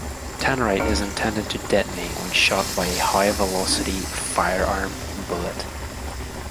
Tannerite is intended to detonate when shot by a high-velocity firearm bullet.